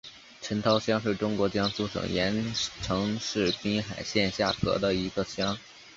陈涛乡是中国江苏省盐城市滨海县下辖的一个乡。